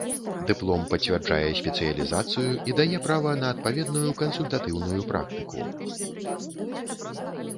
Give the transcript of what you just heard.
Дыплом пацвярджае спецыялізацыю і дае права на адпаведную кансультатыўную практыку.